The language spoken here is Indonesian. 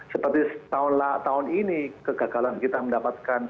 seperti tahun ini kegagalan kita mendapatkan